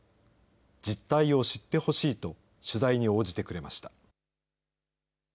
実態を知ってほしいと、取材に応じてくれました。